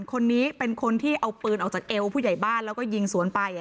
คนนี้เป็นคนที่เอาปืนออกจากเอวผู้ใหญ่บ้านแล้วก็ยิงสวนไป